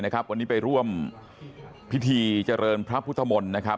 วันนี้ไปร่วมพิธีเจริญพระพุทธมนตร์นะครับ